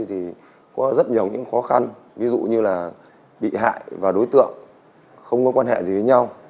thì có rất nhiều những khó khăn ví dụ như là bị hại và đối tượng không có quan hệ gì với nhau